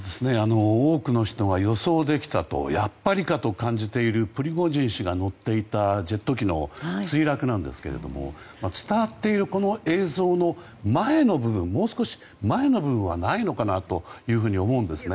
多くの人が予想できたとやっぱりかと感じているプリゴジン氏が乗っていたジェット機の墜落なんですが伝わっている映像の前の部分もう少し前の部分はないのかなと思うんですね。